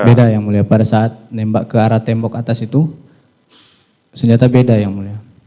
beda yang mulia pada saat nembak ke arah tembok atas itu senjata beda yang mulia